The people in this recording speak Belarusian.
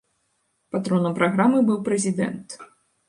Патронам праграмы быў прэзідэнт.